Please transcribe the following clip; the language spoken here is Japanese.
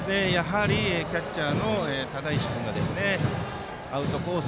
キャッチャーの只石君がアウトコース